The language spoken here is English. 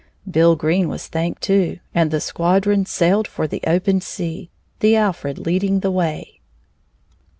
Bill Green was thanked, too, and the squadron sailed for the open sea, the Alfred leading the way.